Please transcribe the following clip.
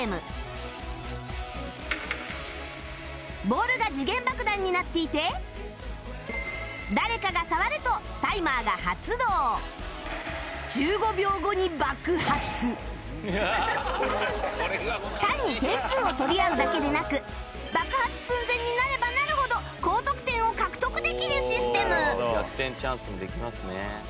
ボールが時限爆弾になっていて誰かが単に点数を取り合うだけでなく爆発寸前になればなるほど高得点を獲得できるシステム逆転チャンスもできますね。